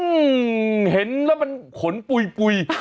อืมเห็นแล้วมันขนปุ่ย